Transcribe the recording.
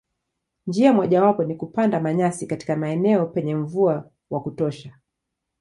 Njia mojawapo ni kupanda manyasi katika maeneo penye mvua wa kutosha.